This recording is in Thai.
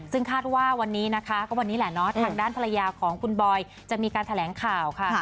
ซึ่งคาดว่าวันนี้นะคะก็วันนี้แหละเนาะทางด้านภรรยาของคุณบอยจะมีการแถลงข่าวค่ะ